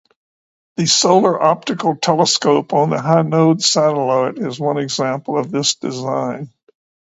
The Solar Optical Telescope on the Hinode satellite is one example of this design.